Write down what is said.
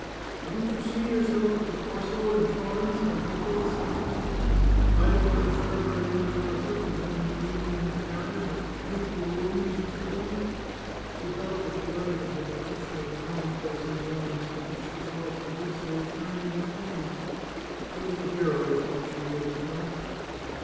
" Don't you see yourself at the Corso, in Florence, or Naples," said the duchess, " riding your thorough bred English horses, and then in the evening your carriage, and beautiful rooms, and so forth ?" She dwelt with delight on her description of the commonplace enjoyments from which she saw Fabrizio turn in disdain. " He is a hero," thought she to herself.